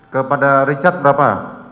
kepada richard berapa